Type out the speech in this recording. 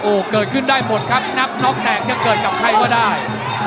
โอ้โหเกิดขึ้นได้หมดครับนับน็อกแตกจะเกิดกับใครก็ได้